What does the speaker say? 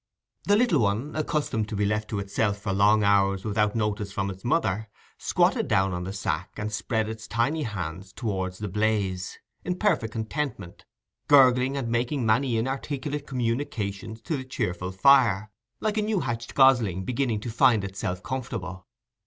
The little one, accustomed to be left to itself for long hours without notice from its mother, squatted down on the sack, and spread its tiny hands towards the blaze, in perfect contentment, gurgling and making many inarticulate communications to the cheerful fire, like a new hatched gosling beginning to find itself comfortable.